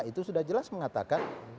itu sudah jelas mengatakan